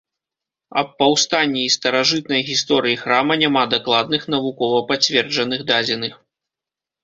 Аб паўстанні і старажытнай гісторыі храма няма дакладных, навукова пацверджаных дадзеных.